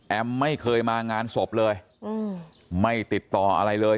ไม่เคยมางานศพเลยไม่ติดต่ออะไรเลย